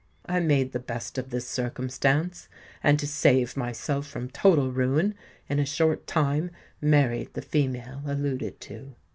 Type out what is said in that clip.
I made the best of this circumstance; and, to save myself from total ruin, in a short time married the female alluded to.